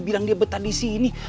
bilang dia betah disini